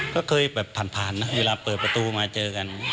ก็เคยแบบผ่านนะเวลาเปิดประตูมาเจอกัน